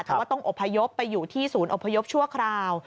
แต่ว่าต้องอบพยพไปอยู่ที่ศูนย์อพยพชั่วคราว